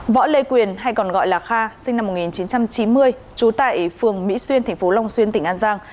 võ lê quyền hay còn gọi là kha sinh năm một nghìn chín trăm chín mươi trú tại phường mỹ xuyên tp long xuyên tỉnh an giang